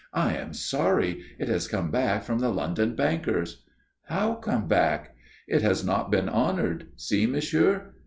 I am sorry. It has come back from the London bankers." "How come back?" "It has not been honoured. See, monsieur.